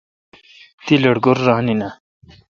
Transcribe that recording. تی لٹکور ران این آں؟